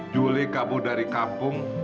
julie kabur dari kampung